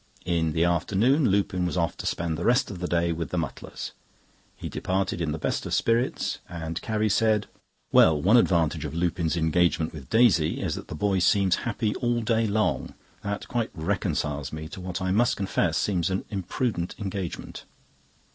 In the afternoon Lupin was off to spend the rest of the day with the Mutlars. He departed in the best of spirits, and Carrie said: "Well, one advantage of Lupin's engagement with Daisy is that the boy seems happy all day long. That quite reconciles me to what I must confess seems an imprudent engagement."